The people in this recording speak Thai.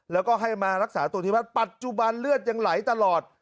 แล้วก็ให้มารักษาตัวที่บ้านปัจจุบันเลือดยังไหลตลอด